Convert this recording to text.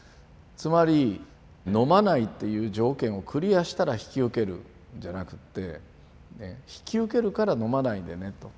つまり飲まないっていう条件をクリアしたら引き受けるじゃなくって引き受けるから飲まないでねと。